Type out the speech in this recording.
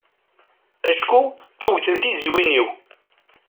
Acku tuget n tiziwin-iw.